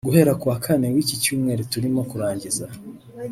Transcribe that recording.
Guhera ku wa Kane w’iki cyumweru turimo kurangiza